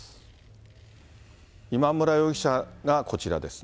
今村容疑者がこちらですね。